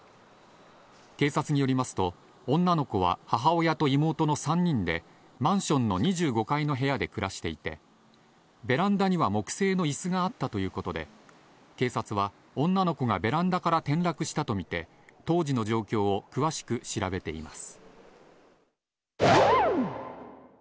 警察によりますと、女の子は母親と妹の３人でマンションの２５階の部屋で暮らしていて、ベランダには木製のいすがあったということで、警察は女の子がベランダから転落したと見て、当時の状況を詳しく調べています。